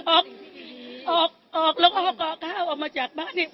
ออกออกแล้วก็เอากข้าวออกมาจากบ้านนี้